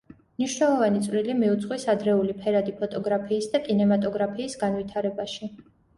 მნიშვნელოვანი წვლილი მიუძღვის ადრეული ფერადი ფოტოგრაფიის და კინემატოგრაფიის განვითარებაში.